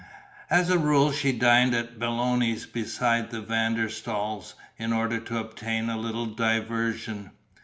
As a rule she dined at Belloni's, beside the Van der Staals, in order to obtain a little diversion.